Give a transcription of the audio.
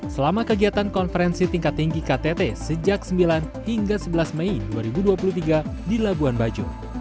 selama kegiatan konferensi tingkat tinggi ktt sejak sembilan hingga sebelas mei dua ribu dua puluh tiga di labuan bajo